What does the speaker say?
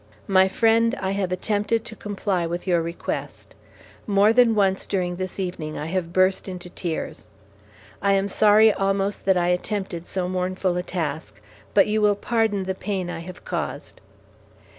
My friend, I have attempted to comply with your request. More than once during this evening I have burst into tears. I am sorry almost that I attempted so mournful a task, but you will pardon the pain I have caused.